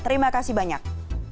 terima kasih banyak